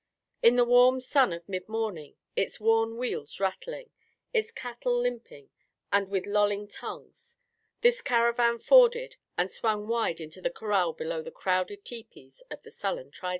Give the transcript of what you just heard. In the warm sun of mid morning, its worn wheels rattling, its cattle limping and with lolling tongues, this caravan forded and swung wide into corral below the crowded tepees of the sullen tribesmen.